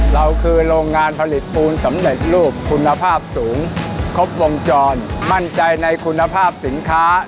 เราคือโรงงานผลิตปูนสำเร็จรูปคุณภาพสูงครบวงจรมั่นใจในคุณภาพสินค้า